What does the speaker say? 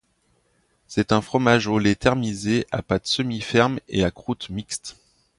C’est un fromage au lait thermisé à pâte semi-ferme et à croûte mixte.